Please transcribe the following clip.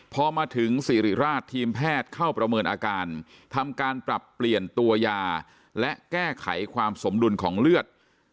พอมาถึงสิริราชทีมแพทย์เข้าประเมินอาการทำการปรับเปลี่ยนตัวยาและแก้ไขความสมดุลของเลือด